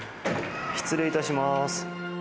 失礼いたします。